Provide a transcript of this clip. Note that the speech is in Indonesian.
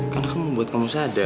kan kamu buat kamu sadar